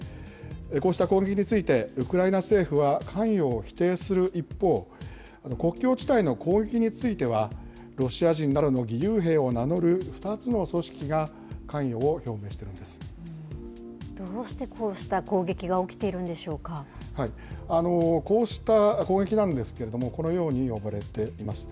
こうした攻撃について、ウクライナ政府は関与を否定する一方、国境地帯の攻撃については、ロシア人などの義勇兵を名乗る２つの組織が関与を表明しているんどうしてこうした攻撃が起きこうした攻撃なんですけれども、このように呼ばれています。